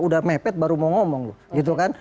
udah mepet baru mau ngomong gitu kan